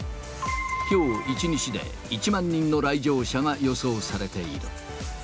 きょう１日で１万人の来場者が予想されている。